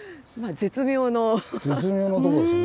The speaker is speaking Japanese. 絶妙のとこですね。